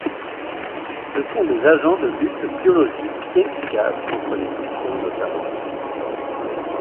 Ce sont des agents de lutte biologique efficaces contre les pucerons notamment.